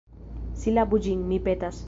Silabu ĝin, mi petas.